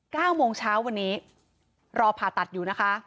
เก้าโมงเช้าวันนี้รอผ่าตัดอยู่นะคะ